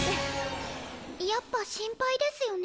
やっぱ心配ですよね？